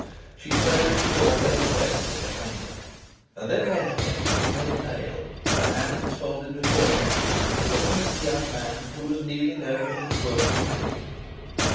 She closed the door very carefully behind her, and then leant against it, very pale, her hands folded before her, looking at the young man, who was kneeling over his work of packing.